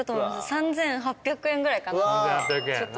３，８００円ぐらいかな。